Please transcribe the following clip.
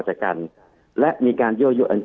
คุณหมอประเมินสถานการณ์บรรยากาศนอกสภาหน่อยได้ไหมคะ